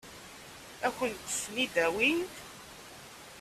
Ad kent-ten-id-awint?